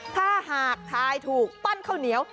ถ้าหากทายถูกปั้นข้าวเหนียว